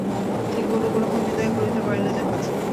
এ গলগ্রহ বিদায় করিতে পারিলে যে বাঁচি।